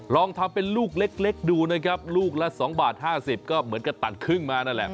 ลองทำเป็นลูกเล็กดูนะครับลูกละ๒บาท๕๐ก็เหมือนกับตัดครึ่งมานั่นแหละ